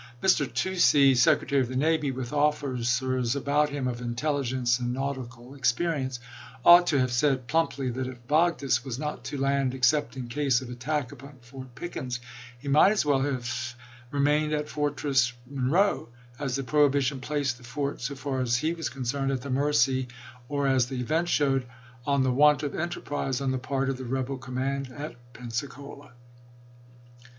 Mr. Toucey, Secretary of the Navy, with officers about him of intelligence and nautical experience, ought to have said plumply that if Vogdes was not to land except in case of attack upon Fort Pickens, he might as well have remained at Fortress Monroe, as the prohibition placed the inthe^Na ^or^ so ^ar as ne was concerned, at the mercy or (as the tioniii Intel event showed) on the want of enterprise on the part of 1 1 " cli ('IT Nov.i2,i862. the rebel command at Pensacola.